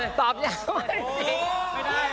ตอบยากมากจริง